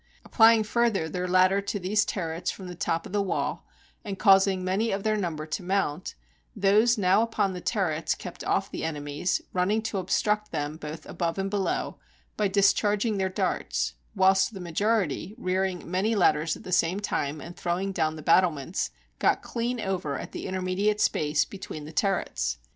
Applying further their lad der to these turrets from the top of the wall, and causing many of their number to mount, those now upon the turrets kept off the enemies, running to obstruct them both above and below, by discharging their darts; whilst the majority, rearing many ladders at the same time, and throwing down the battlements, got clean over at the intermediate space between the turrets.